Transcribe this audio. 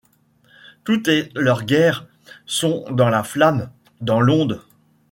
Tout est leur guerre ; sont dans la flamme, dans l’onde